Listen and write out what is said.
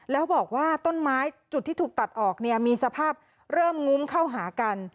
แล้วบอกว่าต้นไม้จุดที่ถูกตัดออกเนี่ยมีสภาพเริ่มงุ้มเข้าหากัน